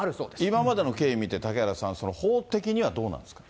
今までの経緯見て、嵩原さん、その法的にはどうなんですか。